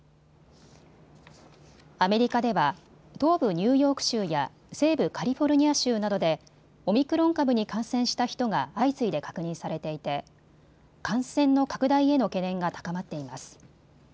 アメリカでは東部ニューヨーク州や西部カリフォルニア州などでオミクロン株に感染した人が相次いで確認されていて感染の拡大への懸念が高まっています。